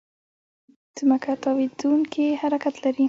ځمکه تاوېدونکې حرکت لري.